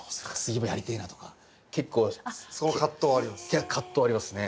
いや葛藤ありますね。